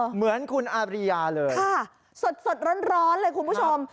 เหมือนคุณอาบริยาเลยสดร้อนเลยคุณผู้ชม